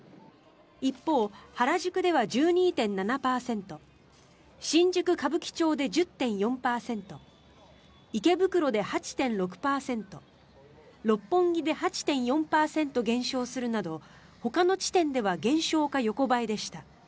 一方、原宿では１２．７％新宿・歌舞伎町で１０．４％池袋で８．６％六本木で８．４％減少するなどほかの地点では減少か横ばいでした。